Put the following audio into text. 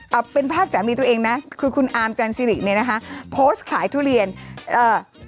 เอาเป็นภาพสามีตัวเองนะคือคุณอาร์มจันซิริเนี่ยนะคะโพสต์ขายทุเรียนเอ่อ